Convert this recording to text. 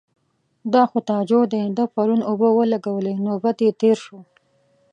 _دا خو تاجو دی، ده پرون اوبه ولګولې. نوبت يې تېر شو.